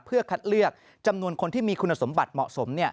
เพื่อคัดเลือกจำนวนคนที่มีคุณสมบัติเหมาะสม